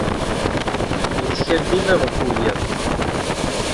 Yettkal dima ɣef wiyaḍ.